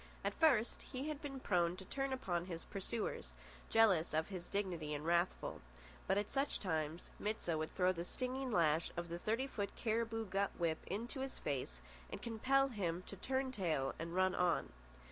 At first he had been prone to turn upon his pursuers, jealous of his dignity and wrathful; but at such times Mit sah would throw the stinging lash of the thirty foot cariboo gut whip into his face and compel him to turn tail and run on.